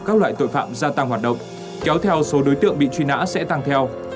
các loại tội phạm gia tăng hoạt động kéo theo số đối tượng bị truy nã sẽ tăng theo